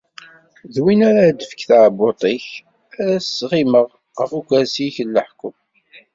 D win ara d-tefk tɛebbuḍt-ik ara sɣimeɣ ɣef ukersi-k n leḥkem.